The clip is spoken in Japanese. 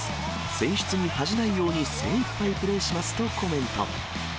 選出に恥じないように精いっぱいプレーしますとコメント。